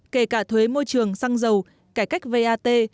kể cả thuế môi trường xăng dầu cải cách vat